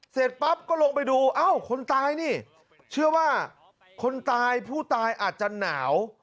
เสร็จปั๊บก็ลงไปดูเอ้าคนตายนี่เชื่อว่าคนตายผู้ตายอาจจะหนาว